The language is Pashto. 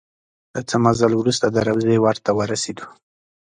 د څه مزل وروسته د روضې ور ته ورسېدو.